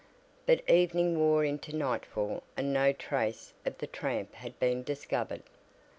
But evening wore into nightfall and no trace of the "tramp" had been discovered.